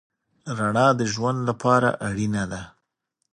رڼا د ژوند لپاره اړینه ده.